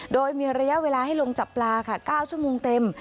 โดยมีระยะเวลาให้ลงจับปลาค่ะ๙ชั่วโมงเต็ม